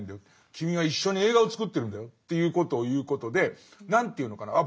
君は一緒に映画を作ってるんだよ」ということを言うことで何ていうのかなあ